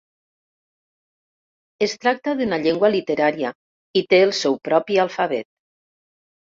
Es tracta d'una llengua literària i té el seu propi alfabet.